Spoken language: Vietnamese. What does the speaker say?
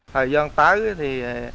thời gian tái thì